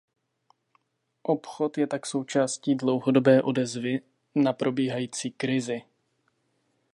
Obchod je tak součástí dlouhodobé odezvy na probíhající krizi.